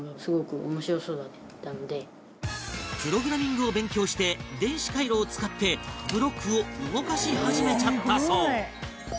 プログラミングを勉強して電子回路を使ってブロックを動かし始めちゃったそう